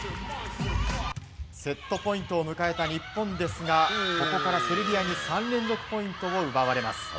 セットポイントを迎えた日本ですがここからセルビアに３連続ポイントを奪われます。